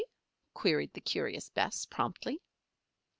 queried the curious Bess, promptly.